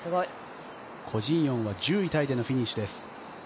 コ・ジンヨンは１０位タイでのフィニッシュです。